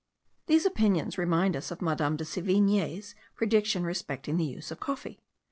These opinions remind us of Madame de Sevigne's prediction respecting the use of coffee.